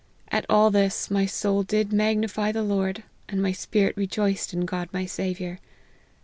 At all this my ' soul did magnify the Lord, and my spirit rejoiced in God my Saviour.'